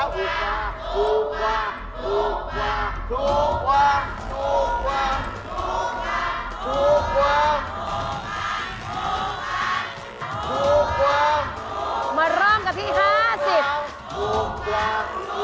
ถูกว่างถูกว่างถูกว่างถูกว่าง